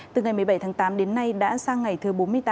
từ ngày một mươi bảy tháng tám đến nay đã sang ngày thứ bốn mươi tám